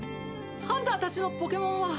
ハンターたちのポケモンは？